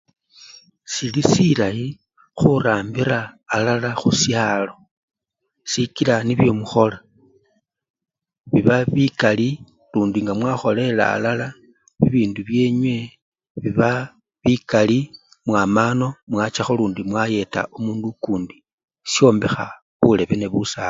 Sili silayi khurambila alala khushalo sikikla nibyo mukhola biba bikali lundi nga mwakholele alala bibindu byenywe biba bikali mwama ano machakho lundi mwayeta omundu okundi shombekha bulebe nebusale.